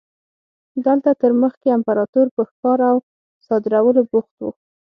دلته تر مخکې امپراتور په ښکار او صادرولو بوخت و.